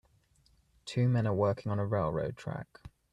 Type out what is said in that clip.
Two men are working on a railroad track.